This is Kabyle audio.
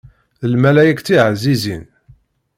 A lmalayek tiɛzizin.